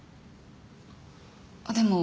あっでも。